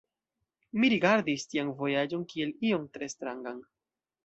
Mi rigardis tian vojaĝon kiel ion tre strangan.